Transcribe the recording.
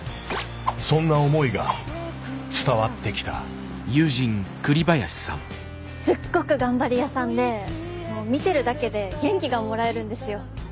そんな思いが伝わってきたすっごく頑張り屋さんでもう見てるだけで元気がもらえるんですよ。